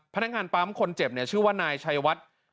พนักงานป๊ามคนเจ็บชื่อว่านายชัยวัฒน์